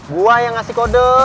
gue yang ngasih kode